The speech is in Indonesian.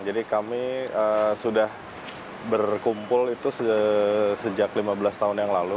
jadi kami sudah berkumpul itu sejak lima belas tahun yang lalu